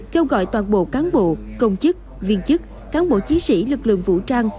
kêu gọi toàn bộ cán bộ công chức viên chức cán bộ chiến sĩ lực lượng vũ trang